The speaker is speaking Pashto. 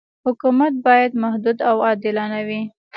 حکومت باید محدود او عادلانه وي.